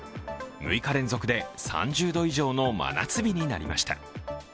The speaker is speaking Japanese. ６日連続で３０度以上の真夏日になりました。